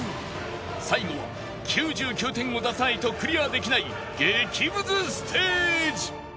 最後は９９点を出さないとクリアできない激ムズステージ